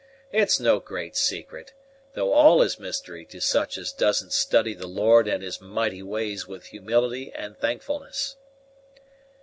It's no great secret, though all is mystery to such as doesn't study the Lord and His mighty ways with humility and thankfulness."